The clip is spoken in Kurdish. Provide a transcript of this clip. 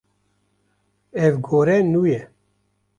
Ev gore nû ye.